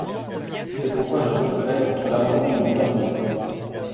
C’est pourquoi je voterai contre l’amendement du Gouvernement.